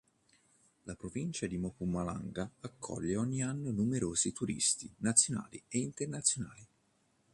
La provincia di Mpumalanga accoglie ogni anno numerosi turisti nazionali e internazionali.